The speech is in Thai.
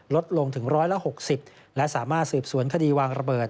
ลดลงถึง๑๖๐และสามารถสืบสวนคดีวางระเบิด